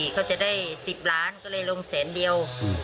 เขาจะได้๑๐ล้านก็เลยลงแสนเดียว